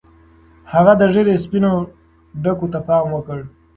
هغه د ږیرې سپینو ډکو ته پام وکړ.